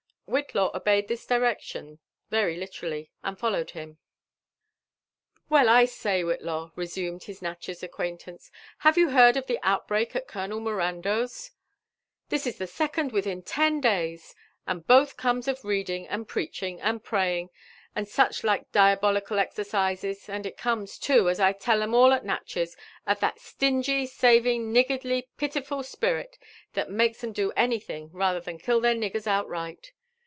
Whidaw obeyed (his directions very literallyr and followed him. '* Well, I say, Whitlaw/' resumed his Natchez acquaintance, have you heard of the outbreak at Colonel Mirandeau*s ? This is the second within ten days; and both comes of reading, and preaching, and praying, and such like diabolical exercises; and it comes, too, as I tell 'em all at Natchez, of lhatstingy» saving, niggardly, pitiful spirit, that makes 'em do anything rather than kill their niggers outright.